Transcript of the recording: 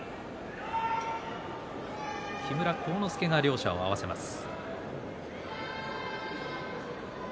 木村晃之助が両者を合わせます。